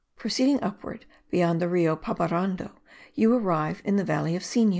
Proceeding upward beyond the Rio Pabarando, you arrive in the valley of Sinu.